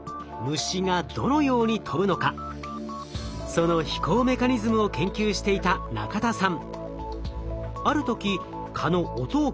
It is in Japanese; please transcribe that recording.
その飛行メカニズムを研究していた中田さん。